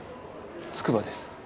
筑波です。